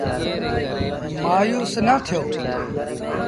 مآيوس نا ٿيو۔